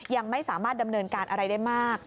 ยังไม่สามารถดำเนินการอะไรได้มาก